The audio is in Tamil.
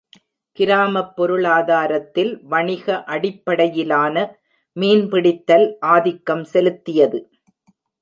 கிராமப் பொருளாதாரத்தில் வணிக அடிப்படையிலான மீன் பிடித்தல் ஆதிக்கம் செலுத்தியது.